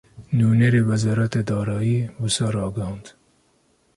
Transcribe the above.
Nûnerê Wezareta Darayî, wisa ragihand